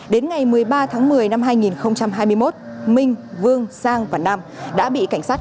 đến ngày một mươi ba tháng một mươi năm hai nghìn hai mươi một minh vương sang và nam đã bị cảnh sát